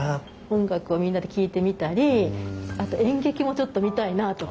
音楽をみんなで聴いてみたりあと演劇もちょっと見たいなと。